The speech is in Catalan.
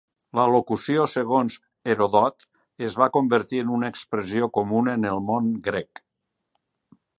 La locució, segons Heròdot, es va convertir en una expressió comuna en el món grec.